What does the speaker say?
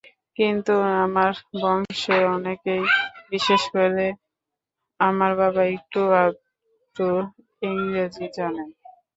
কিন্তু আমার বংশের অনেকেই, বিশেষ করে আমার বাবা একটু-আধটু ইংরেজি জানেন।